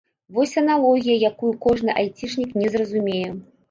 Вось аналогія, якую кожны айцішнік не зразумее.